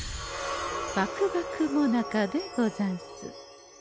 獏ばくもなかでござんす。